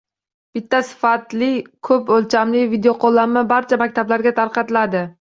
Bitta sifatli ko‘p o‘lchamli videoqo‘llanma barcha maktablarga tarqatiladi